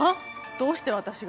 どうして私が。